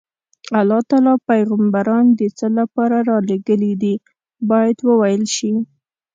الله تعالی پیغمبران د څه لپاره رالېږلي دي باید وویل شي.